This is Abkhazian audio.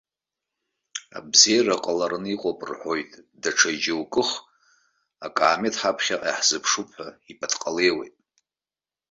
Абзиара ҟалараны иҟоуп рҳәоит, даҽа џьоукых акаамеҭ ҳаԥхьаҟа иаҳзыԥшуп ҳәа ипатҟалеиуеит.